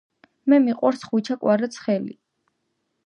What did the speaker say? მე მიყვარს ხვიჩა კვარაცხელია